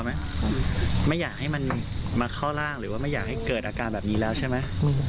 ไม่อยากให้เกิดอาการมาเข้าร่างแบบนี้แล้วใช่มั้ย